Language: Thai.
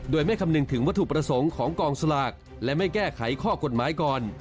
โดยไม่คำนึงถึงวัตถุประสงค์ของกองสลากและไม่แก้ไขข้อกฎหมายก่อน